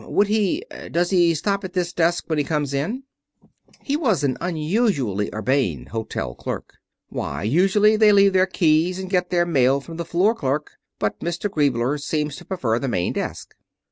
Would he does he stop at this desk when he comes in?" He was an unusually urbane hotel clerk. "Why, usually they leave their keys and get their mail from the floor clerk. But Mr. Griebler seems to prefer the main desk."